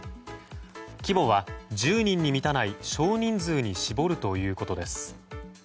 規模は１０人に満たない少人数に絞るということです。